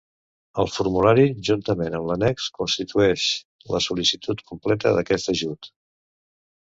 El formulari juntament amb l'annex constitueix la sol·licitud completa d'aquest ajut.